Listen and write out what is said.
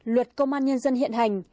luật công an nhân dân hiện hành